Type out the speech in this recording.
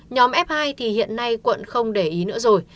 nhóm f hai thì hiện nay quận không để ý nữa rồi